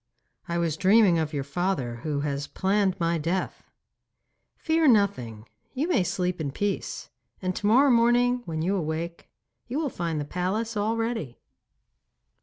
'I was dreaming of your father, who has planned my death.' 'Fear nothing. You may sleep in peace, and to morrow morning when you awake you will find the palace all ready.